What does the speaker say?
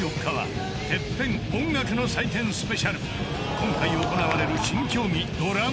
［今回行われる新競技ドラム］